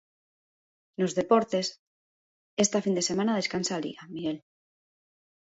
Nos deportes, esta fin de semana descansa a Liga, Miguel.